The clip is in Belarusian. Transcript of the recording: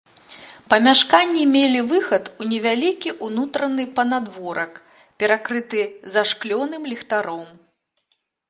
Памяшканні мелі выхад у невялікі ўнутраны панадворак, перакрыты зашклёным ліхтаром.